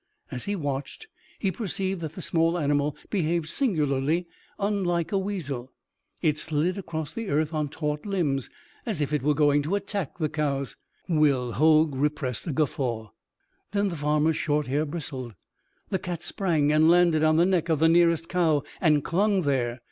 As he watched, he perceived that the small animal behaved singularly unlike a weasel. It slid across the earth on taut limbs, as if it was going to attack the cows. Will Hoag repressed a guffaw. Then the farmer's short hair bristled. The cat sprang and landed on the neck of the nearest cow and clung there.